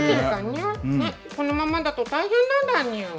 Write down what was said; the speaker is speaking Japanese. このままだと大変なんだにゅ。